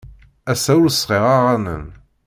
Ass-a ur sɛiɣ aɣanen.